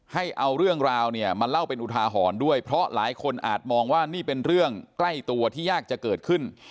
ให้เอาเรื่องราวเนี่ยมาเล่าเป็นอุทาหรณ์ด้วยเพราะหลายคนอาจมองว่านี่เป็นเรื่องใกล้ตัวที่ยากจะเกิดขึ้น